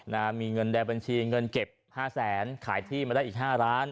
น่ะมีเงินแดบบัญชีเก็บ๕๐๐๐๐๐บาทขายที่มาได้อีก๕ล้านบาท